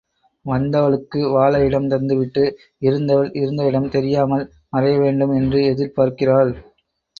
வந்தவளுக்கு வாழ இடம் தந்துவிட்டு இருந்தவள் இருந்த இடம் தெரியாமல் மறைய வேண்டும் என்று எதிர்பார்க்கிறாள்.